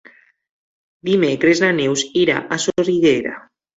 Dimecres na Neus irà a Soriguera.